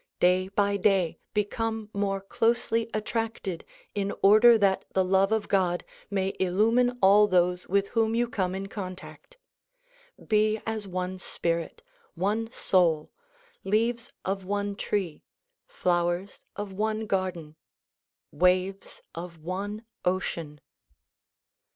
Day by dav become more closelv attracted in order that the love of God 22 THE PROMULGATION OF UNIVERSAL PEACE may illumine all those with whom you come in contact. Be as one spirit, one soul, leaves of one tree, flowers of one garden, waves of one ocean.